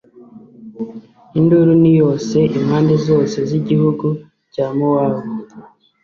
Induru ni yose, impande zose z’igihugu cya Mowabu,